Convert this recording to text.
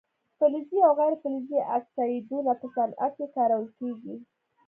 فلزي او غیر فلزي اکسایدونه په صنعت کې کارول کیږي.